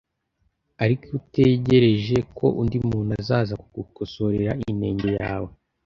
Ariko iyo utegereje ko undi muntu azaza kugukosorera inenge yawe